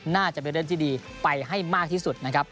น่าจะเป็นเรื่องที่ดีไปให้มากที่สุดนะครับ